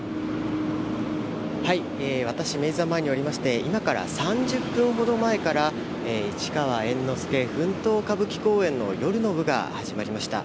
私、明治座前におりまして、今から３０分ほど前から「市川猿之助奮闘歌舞伎公演」が始まりました。